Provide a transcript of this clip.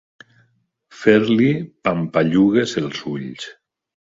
Fer-li pampallugues els ulls.